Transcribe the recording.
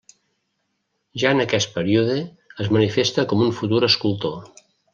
Ja en aquest període es manifesta com un futur escultor.